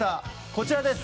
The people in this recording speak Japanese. こちらです。